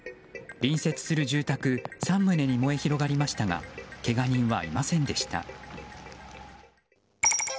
隣接する住宅３棟に燃え広がりましたがけが人はいませんでした。